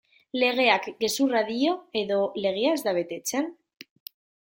Legeak gezurra dio edo legea ez da betetzen?